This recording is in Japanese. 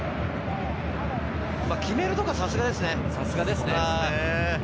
決めるところはさすがですね。